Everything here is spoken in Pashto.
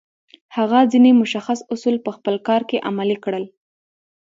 هغه ځينې مشخص اصول په خپل کار کې عملي کړل.